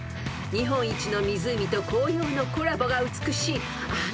［日本一の湖と紅葉のコラボが美しいあの名所］